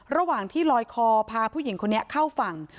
ระหว่างที่ลอยคอพาผู้หญิงคนนี้เข้าฝั่ง